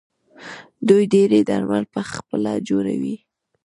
دوی ډیری درمل پخپله جوړوي.